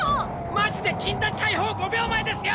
マジで禁断解放５秒前ですよ！